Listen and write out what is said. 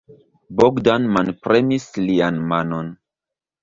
Bogdan manpremis lian manon.